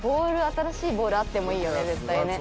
新しいボールあってもいいよね絶対ね。